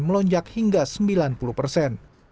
melonjak hingga sembilan puluh persen